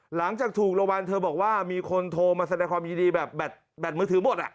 หลังจากถูกรางวัลเธอบอกว่ามีคนโทรมาแสดงความยินดีแบบแบตมือถือหมดอ่ะ